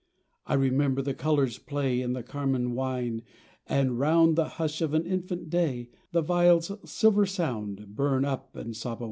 I remember the colour's play In the carmine wine, and round The hush of an infant day The viol's silver sound Burn up and sob away.